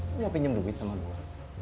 lu gak pinjem duit sama gua